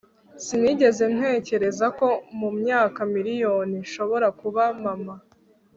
Sinigeze ntekereza ko mumyaka miriyoni nshobora kuba mama